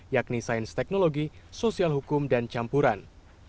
yakni sains teknologi sosial hukum dan campuran